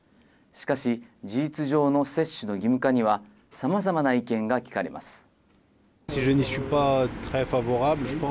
しかし、事実上の接種の義務化には、さまざまな意見が聞かれます。